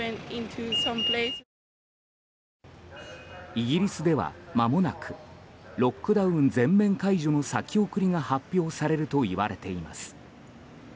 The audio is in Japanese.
イギリスでは、まもなくロックダウン全面解除の先送りが発表されるといわれています。